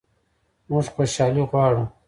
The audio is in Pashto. موږ خوشحالي غواړو